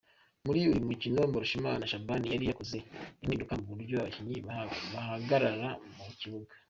Muri uyu mukino, Mbarushimana Shaban yari yakoze impinduka mu buryo abakinnyi bahagarara mu kibuga.